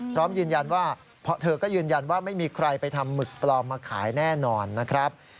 พร้อมยืนยันว่าเพราะเธอก็ยืนยันว่าไม่มีใครไปทำหมึกปลอมมาขายแน่นอนนะครับ